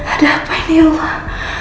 ada apa ini ya allah